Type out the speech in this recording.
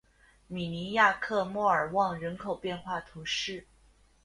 米尼亚克莫尔旺人口变化图示